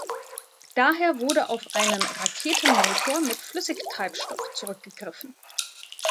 Daher wurde auf einen Raketenmotor mit Flüssigtreibstoff zurückgegriffen.